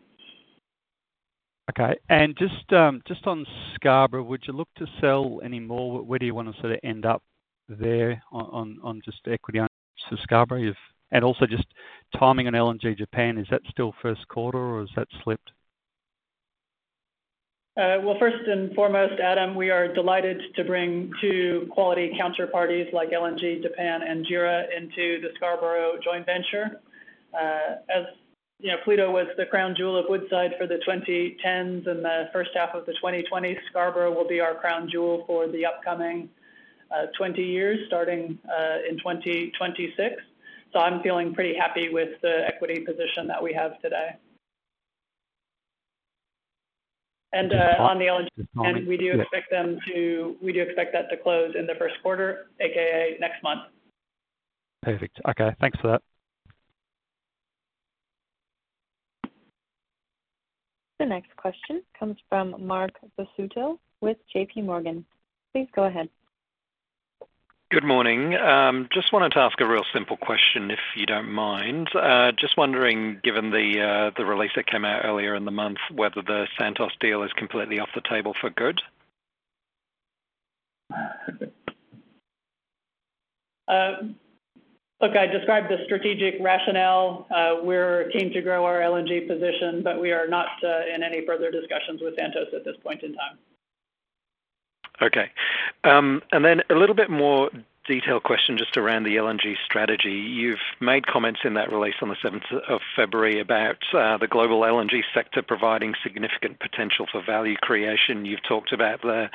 Okay. And just on Scarborough, would you look to sell any more? Where do you want to sort of end up there on just equity ownership for Scarborough? And also just timing on LNG Japan, is that still first quarter, or has that slipped?
Well, first and foremost, Adam, we are delighted to bring two quality counterparties like LNG Japan and JERA into the Scarborough joint venture. As Pluto was the crown jewel of Woodside for the 2010s and the first half of the 2020s, Scarborough will be our crown jewel for the upcoming 20 years, starting in 2026. So I'm feeling pretty happy with the equity position that we have today. And on the.
Just timing.
We do expect that to close in the first quarter, aka next month.
Perfect. Okay. Thanks for that.
The next question comes from Mark Busuttil with JPMorgan. Please go ahead.
Good morning. Just wanted to ask a real simple question, if you don't mind. Just wondering, given the release that came out earlier in the month, whether the Santos deal is completely off the table for good?
Look, I described the strategic rationale. We're keen to grow our LNG position, but we are not in any further discussions with Santos at this point in time.
Okay. And then a little bit more detailed question just around the LNG strategy. You've made comments in that release on the 7th of February about the global LNG sector providing significant potential for value creation. You've talked about the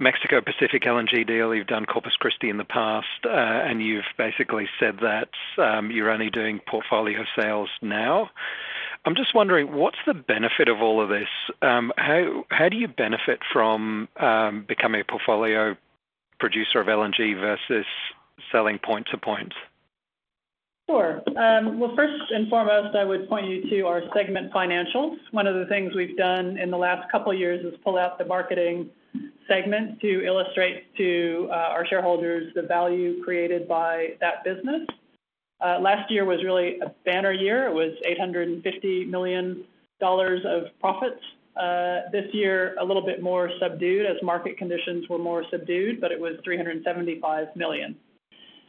Mexico Pacific LNG deal. You've done Corpus Christi in the past. And you've basically said that you're only doing portfolio sales now. I'm just wondering, what's the benefit of all of this? How do you benefit from becoming a portfolio producer of LNG versus selling point to point?
Sure. Well, first and foremost, I would point you to our segment financials. One of the things we've done in the last couple of years is pull out the marketing segment to illustrate to our shareholders the value created by that business. Last year was really a banner year. It was $850 million of profits. This year, a little bit more subdued as market conditions were more subdued, but it was $375 million.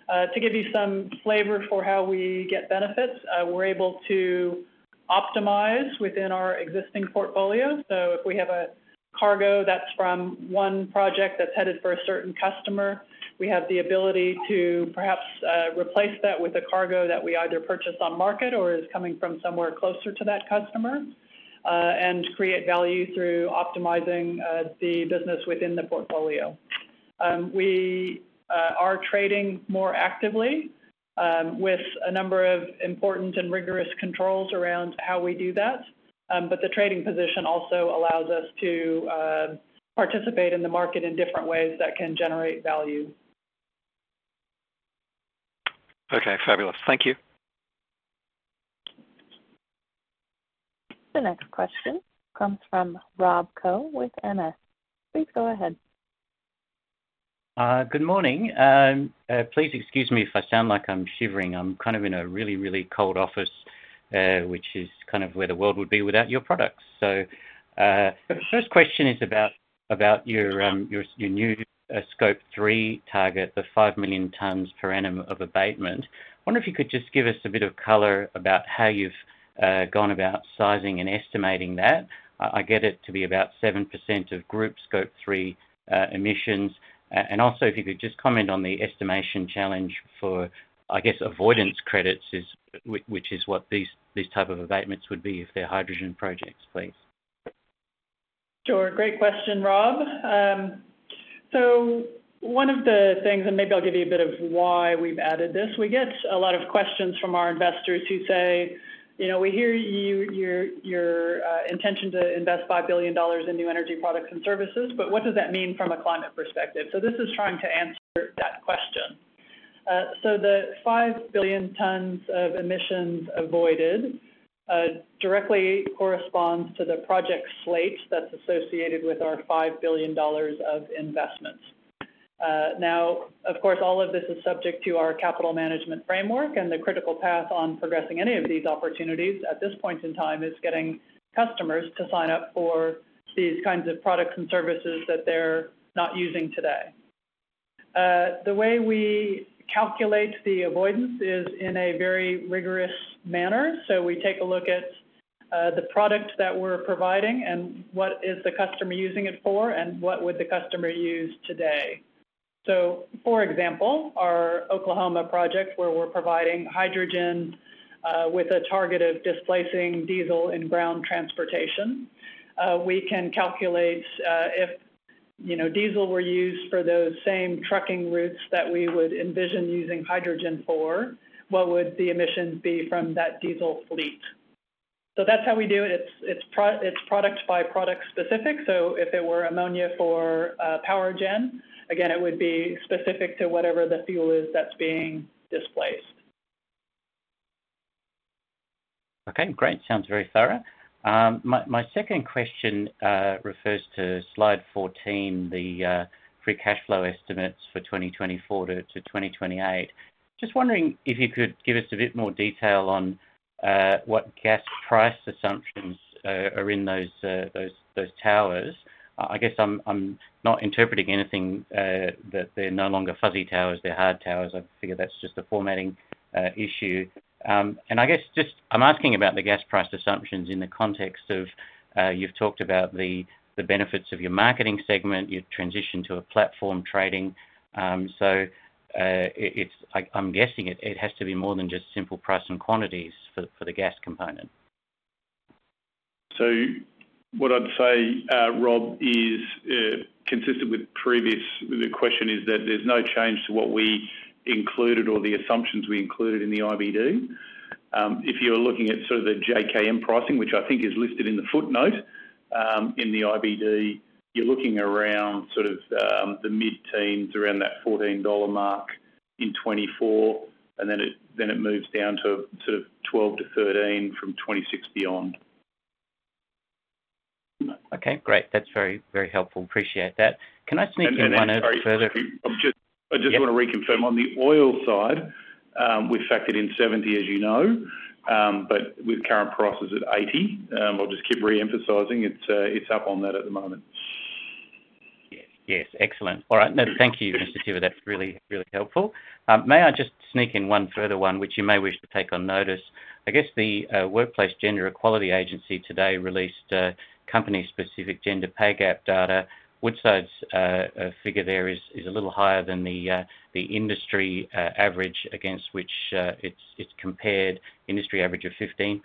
To give you some flavor for how we get benefits, we're able to optimize within our existing portfolio. So if we have a cargo that's from one project that's headed for a certain customer, we have the ability to perhaps replace that with a cargo that we either purchase on market or is coming from somewhere closer to that customer and create value through optimizing the business within the portfolio. We are trading more actively with a number of important and rigorous controls around how we do that. But the trading position also allows us to participate in the market in different ways that can generate value.
Okay. Fabulous. Thank you.
The next question comes from Rob Koh with MS. Please go ahead.
Good morning. Please excuse me if I sound like I'm shivering. I'm kind of in a really, really cold office, which is kind of where the world would be without your products. So the first question is about your new Scope 3 target, the 5 million tons per annum of abatement. I wonder if you could just give us a bit of color about how you've gone about sizing and estimating that. I get it to be about 7% of group Scope 3 emissions. And also, if you could just comment on the estimation challenge for, I guess, avoidance credits, which is what these type of abatements would be if they're hydrogen projects, please.
Sure. Great question, Rob. So one of the things and maybe I'll give you a bit of why we've added this. We get a lot of questions from our investors who say, "We hear your intention to invest $5 billion in new energy products and services, but what does that mean from a climate perspective?" So this is trying to answer that question. So the 5 billion tons of emissions avoided directly corresponds to the project slate that's associated with our $5 billion of investments. Now, of course, all of this is subject to our capital management framework. And the critical path on progressing any of these opportunities at this point in time is getting customers to sign up for these kinds of products and services that they're not using today. The way we calculate the avoidance is in a very rigorous manner. So we take a look at the product that we're providing and what is the customer using it for and what would the customer use today. So for example, our Oklahoma project where we're providing hydrogen with a target of displacing diesel in ground transportation, we can calculate if diesel were used for those same trucking routes that we would envision using hydrogen for, what would the emissions be from that diesel fleet? So that's how we do it. It's product-by-product specific. So if it were ammonia for power gen, again, it would be specific to whatever the fuel is that's being displaced.
Okay. Great. Sounds very thorough. My second question refers to slide 14, the free cash flow estimates for 2024-2028. Just wondering if you could give us a bit more detail on what gas price assumptions are in those towers. I guess I'm not interpreting anything that they're no longer fuzzy towers. They're hard towers. I figure that's just a formatting issue. And I guess just I'm asking about the gas price assumptions in the context of you've talked about the benefits of your marketing segment, your transition to a platform trading. So I'm guessing it has to be more than just simple price and quantities for the gas component.
What I'd say, Rob, is, consistent with the question, that there's no change to what we included or the assumptions we included in the IBD. If you're looking at sort of the JKM pricing, which I think is listed in the footnote in the IBD, you're looking around sort of the mid-teens, around that $14 mark in 2024. Then it moves down to sort of $12-$13 from 2026 beyond.
Okay. Great. That's very, very helpful. Appreciate that. Can I sneak in one other further?
I just want to reconfirm. On the oil side, we've factored in $70, as you know, but with current prices at $80, I'll just keep reemphasizing, it's up on that at the moment.
Yes. Excellent. All right. No, thank you, Mr. Tiver. That's really, really helpful. May I just sneak in one further one, which you may wish to take on notice? I guess the Workplace Gender Equality Agency today released company-specific gender pay gap data. Woodside's figure there is a little higher than the industry average against which it's compared, industry average of 15%.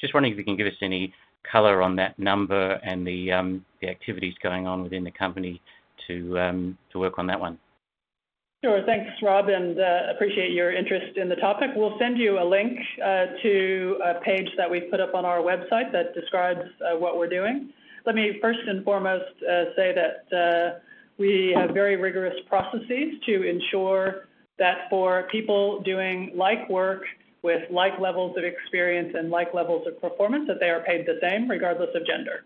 Just wondering if you can give us any color on that number and the activities going on within the company to work on that one.
Sure. Thanks, Rob. And appreciate your interest in the topic. We'll send you a link to a page that we've put up on our website that describes what we're doing. Let me first and foremost say that we have very rigorous processes to ensure that for people doing like work with like levels of experience and like levels of performance, that they are paid the same regardless of gender.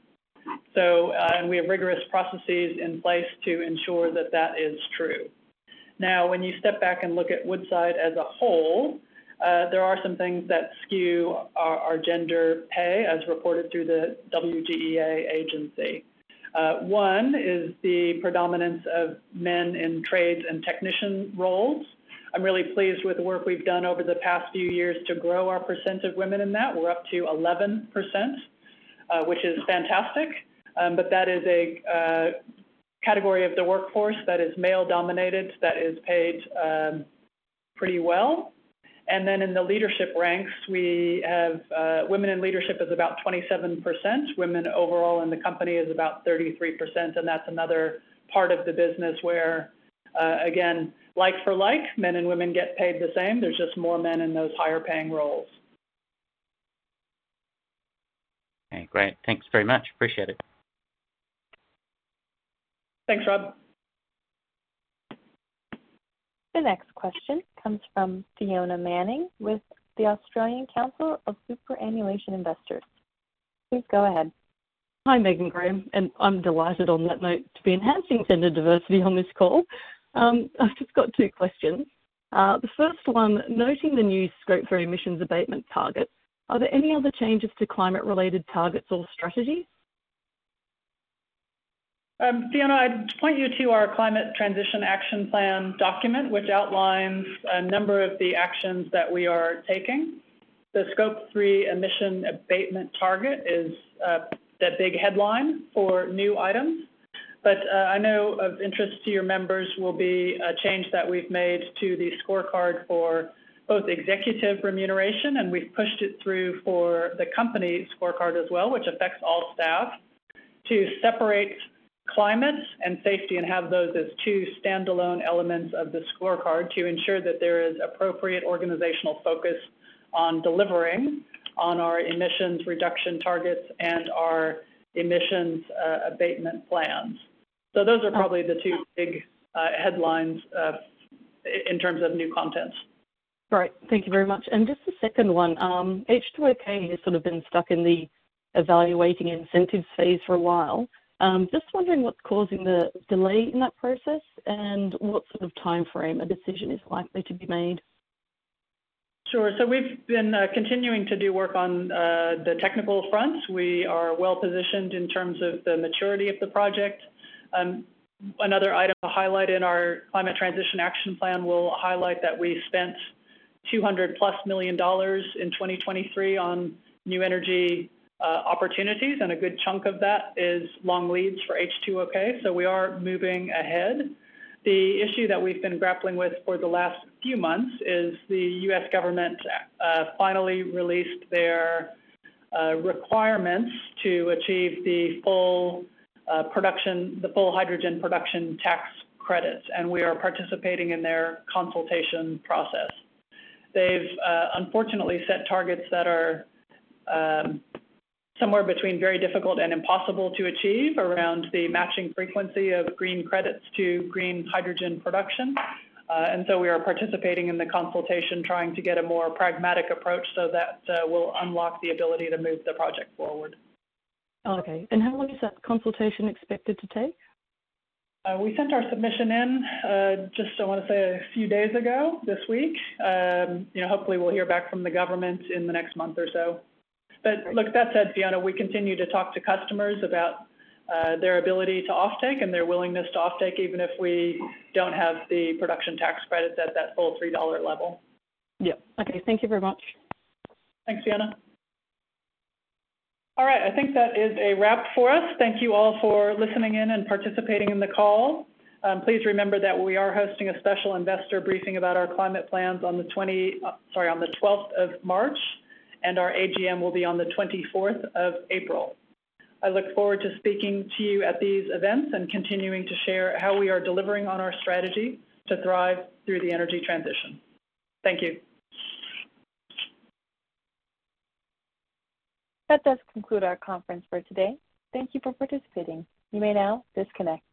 And we have rigorous processes in place to ensure that that is true. Now, when you step back and look at Woodside as a whole, there are some things that skew our gender pay as reported through the WGEA agency. One is the predominance of men in trades and technician roles. I'm really pleased with the work we've done over the past few years to grow our percent of women in that. We're up to 11%, which is fantastic. But that is a category of the workforce that is male-dominated that is paid pretty well. And then in the leadership ranks, women in leadership is about 27%. Women overall in the company is about 33%. And that's another part of the business where, again, like for like, men and women get paid the same. There's just more men in those higher-paying roles.
Okay. Great. Thanks very much. Appreciate it.
Thanks, Rob.
The next question comes from Fiona Manning with the Australian Council of Superannuation Investors. Please go ahead.
Hi, Meg and Graham. I'm delighted on that note to be enhancing gender diversity on this call. I've just got two questions. The first one, noting the new Scope 3 emissions abatement target, are there any other changes to climate-related targets or strategy?
Fiona, I'd point you to our Climate Transition Action Plan document, which outlines a number of the actions that we are taking. The Scope 3 emissions abatement target is that big headline for new items. But I know of interest to your members will be a change that we've made to the scorecard for both executive remuneration, and we've pushed it through for the company scorecard as well, which affects all staff, to separate climate and safety and have those as two standalone elements of the scorecard to ensure that there is appropriate organizational focus on delivering on our emissions reduction targets and our emissions abatement plans. So those are probably the two big headlines in terms of new content.
Great. Thank you very much. And just the second one, H2OK has sort of been stuck in the evaluating incentives phase for a while. Just wondering what's causing the delay in that process and what sort of timeframe a decision is likely to be made?
Sure. So we've been continuing to do work on the technical fronts. We are well-positioned in terms of the maturity of the project. Another item to highlight in our Climate Transition Action Plan will highlight that we spent $200+ million in 2023 on new energy opportunities. And a good chunk of that is long leads for H2OK. So we are moving ahead. The issue that we've been grappling with for the last few months is the U.S. government finally released their requirements to achieve the full hydrogen production tax credits. And we are participating in their consultation process. They've unfortunately set targets that are somewhere between very difficult and impossible to achieve around the matching frequency of green credits to green hydrogen production. And so we are participating in the consultation trying to get a more pragmatic approach so that will unlock the ability to move the project forward.
Okay. How long is that consultation expected to take?
We sent our submission in, just, I want to say, a few days ago this week. Hopefully, we'll hear back from the government in the next month or so. But look, that said, Fiona, we continue to talk to customers about their ability to offtake and their willingness to offtake even if we don't have the production tax credits at that full $3 level.
Yeah. Okay. Thank you very much.
Thanks, Fiona. All right. I think that is a wrap for us. Thank you all for listening in and participating in the call. Please remember that we are hosting a special investor briefing about our climate plans on the 20 sorry, on the 12th of March. Our AGM will be on the 24th of April. I look forward to speaking to you at these events and continuing to share how we are delivering on our strategy to thrive through the energy transition. Thank you.
That does conclude our conference for today. Thank you for participating. You may now disconnect.